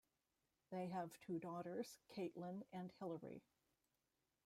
They have two daughters, Caitlin and Hillary.